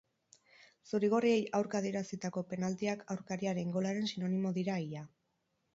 Zuri-gorriei aurka adierazitako penaltiak aurkariaren golaren sinonimo dira ia.